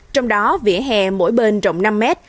trong đó vỉa hè mỗi bên trọng năm mét